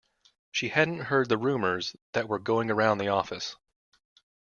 She hadn’t heard the rumours that were going around the office.